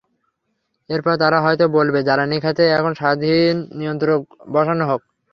এরপর তারা হয়তো বলবে, জ্বালানি খাতে একজন স্বাধীন নিয়ন্ত্রক বসানো হোক।